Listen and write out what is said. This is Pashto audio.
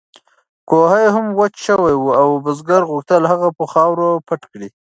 کوهی هم وچ شوی و او بزګر غوښتل هغه په خاورو پټ کړي.